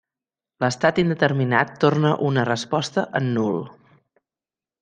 L'estat indeterminat torna una resposta en nul.